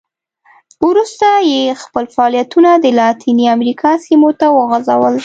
وروسته یې خپل فعالیتونه د لاتینې امریکا سیمو ته وغځول.